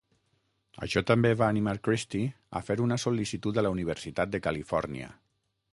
Això també va animar Christy a fer una sol·licitud a la Universitat de Califòrnia.